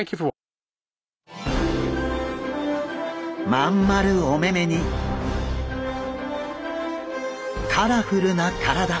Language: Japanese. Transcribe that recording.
真ん丸お目々にカラフルな体。